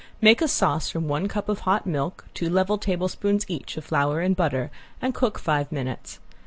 Make a sauce from one cup of hot milk, two level tablespoons each of flour and butter, and cook five minutes.